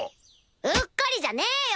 うっかりじゃねえよ！